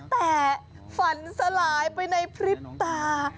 แต่ฝันสลายไปในพริบตา